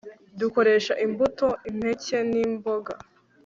dukoresha imbuto impeke nimboga